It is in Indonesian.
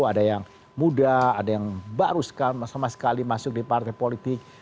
ada yang muda ada yang baru sama sekali masuk di partai politik